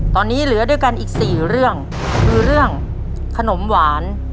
ตอนนี้เหลือด้วยกันอีกสี่เรื่องคือเรื่องขนมหวาน